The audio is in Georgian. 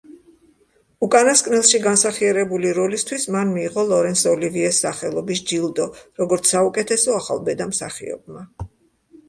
უკანასკნელში განსახიერებული როლისთვის მან მიიღო ლორენს ოლივიეს სახელობის ჯილდო, როგორც საუკეთესო ახალბედა მსახიობმა.